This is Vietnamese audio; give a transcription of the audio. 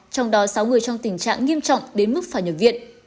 trong đó sáu người trong tình trạng nghiêm trọng đến mức phải nhập viện